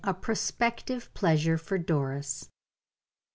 A PROSPECTIVE PLEASURE FOR DORIS.